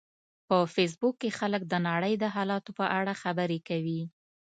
په فېسبوک کې خلک د نړۍ د حالاتو په اړه خبرې کوي